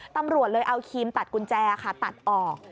ตำรวจเลยเอาครีมตัดกุญแจค่ะตัดออก